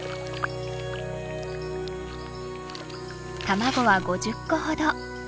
卵は５０個ほど。